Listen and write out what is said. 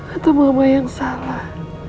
atau mama yang salah